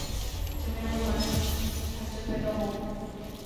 جمے ہوئے پانیوں میں ہلچل پیدا ہو۔